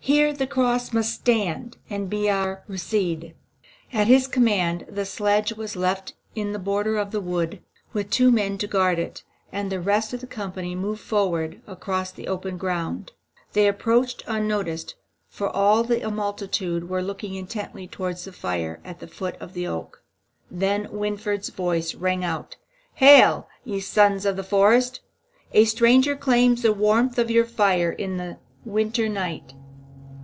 Here the cross must stand and be our rede." At his command the sledge was left in the border of the wood, with two of the men to guard it, and the rest of the company moved forward across the open ground. They approached unnoticed, for all the multitude were looking intently towards the fire at the foot of the oak. Then Winfried's voice rang out, "Hail, ye sons of the forest! A stranger claims the warmth of your fire in the winter night."